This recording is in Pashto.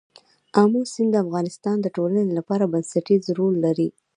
آمو سیند د افغانستان د ټولنې لپاره بنسټيز رول لري.